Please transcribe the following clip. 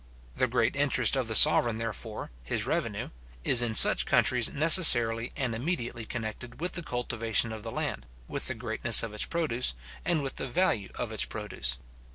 The great interest of the sovereign, therefore, his revenue, is in such countries necessarily and immediately connected with the cultivation of the land, with the greatness of its produce, and with the value of its produce.